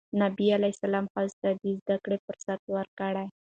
نبي ﷺ ښځو ته د زدهکړې فرصت ورکړ.